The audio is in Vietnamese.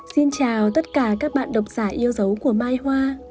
xin chào tất cả các bạn đọc giải yêu dấu của mai hoa